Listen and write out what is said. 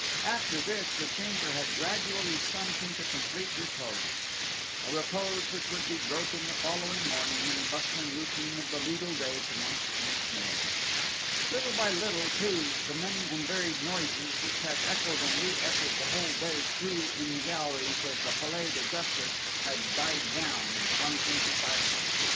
After this the chamber had gradually sunk into complete repose: a repose which would be broken the following morning when the bustling routine of the legal day commenced once more. Little by little, too, the many and varied noises, which had echoed and re echoed the whole day through in the galleries of the Palais de Justice, had died down, and sunk into silence.